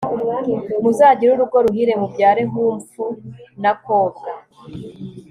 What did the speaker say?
muzagire urugo ruhire mubyare hunfu na kobwa